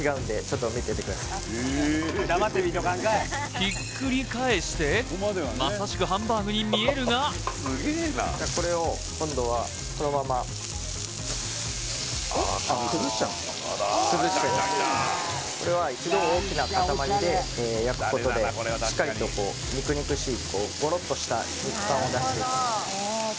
ひっくり返してまさしくハンバーグに見えるがこのままこれは一度大きな塊で焼くことでしっかりと肉々しいゴロッとした肉感を出していきます